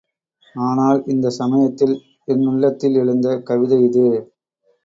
ஆனால், இந்தச் சமயத்தில் என்னுள்ளத்தில் எழுந்த கவிதையிது.